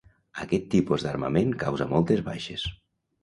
Aquest tipus d'armament causa moltes baixes